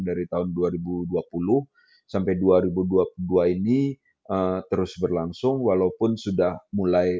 dari tahun dua ribu dua puluh sampai dua ribu dua puluh dua ini terus berlangsung walaupun sudah mulai